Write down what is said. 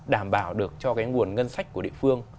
đảm bảo được cho cái nguồn ngân sách của địa phương